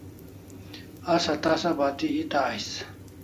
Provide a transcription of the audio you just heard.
Asa tasa bati eta ais